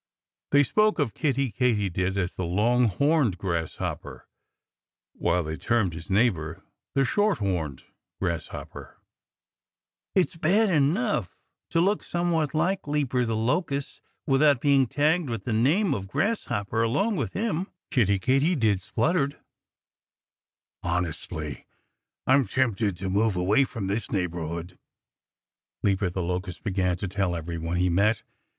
They spoke of Kiddie Katydid as "the Long horned Grasshopper," while they termed his neighbor "the Short horned Grasshopper." [Illustration: Kiddie Faced Leaper the Locust (Page 90)] "It's bad enough to look somewhat like Leaper the Locust, without being tagged with the name of Grasshopper, along with him," Kiddie Katydid spluttered. "Honestly, I'm tempted to move away from this neighborhood," Leaper the Locust began to tell everyone he met.